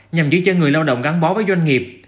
nhằm giữ chân người lao động gắn bó với doanh nghiệp